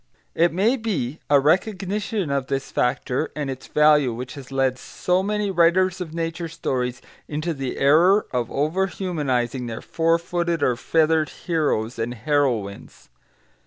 ] It may be a recognition of this factor and its value which has led so many writers of nature stories into the error of over humanising their four footed or feathered heroes and heroines.